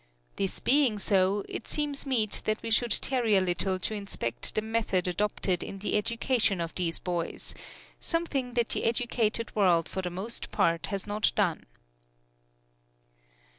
This being so, it seems meet that we should tarry a little to inspect the method adopted in the education of these boys something that the educated world for the most part has not done.